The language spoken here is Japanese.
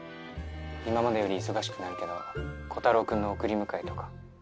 今までより忙しくなるけどコタローくんの送り迎えとか。